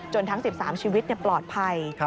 ทั้ง๑๓ชีวิตปลอดภัย